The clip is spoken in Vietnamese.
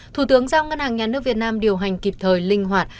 thủ tướng giao ngân hàng nhà nước việt nam điều hành kịp thời linh hoạt